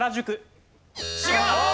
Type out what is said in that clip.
違う！